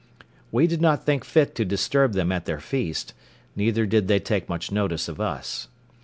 We did not think fit to disturb them at their feast, neither did they take much notice of us.